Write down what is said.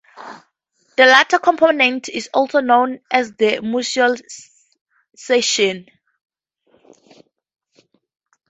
The latter component is also known as the Mosul cession.